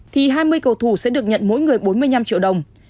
thì hai mươi cầu thủ sẽ được nhận mỗi người bốn mươi năm triệu đồng